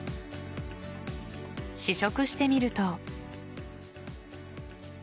試食してみると。